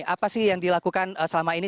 apa sih yang dilakukan selama ini